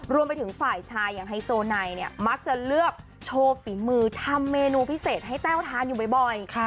รวมไปถึงฝ่ายชายอย่างไฮโซไนเนี่ยมักจะเลือกโชว์ฝีมือทำเมนูพิเศษให้แต้วทานอยู่บ่อย